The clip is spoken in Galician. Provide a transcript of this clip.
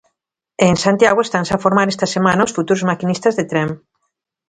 E en Santiago estanse a formar esta semana os futuros maquinistas de tren.